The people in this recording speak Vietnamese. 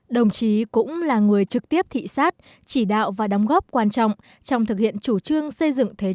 đồng chí cũng là người trực tiếp thị sát chỉ đạo và đóng góp quan trọng trong thực hiện chủ trương xây dựng thế trận